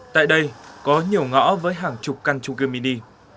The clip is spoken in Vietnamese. tại đây có nhiều ngõ với hàng chục căn chung cư mini